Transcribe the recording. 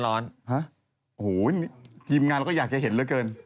โอ้โหทีมงานเราก็อยากจะเห็นเหลือเกิน